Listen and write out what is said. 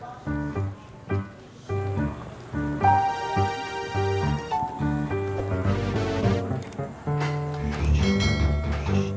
assalamualaikum warahmatullahi wabarakatuh